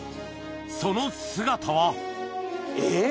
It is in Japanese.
その姿はえぇ！